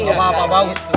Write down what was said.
gak apa apa bagus tuh